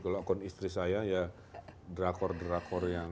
kalau akun istri saya ya drakor drakor yang